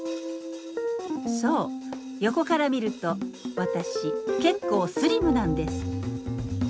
そう横から見ると私結構スリムなんです。